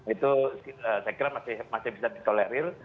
itu saya kira masih bisa ditolerir